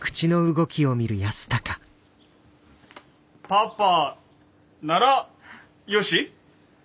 パパならよし？